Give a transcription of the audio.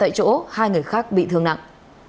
tại chỗ hai người khác bị thương nặng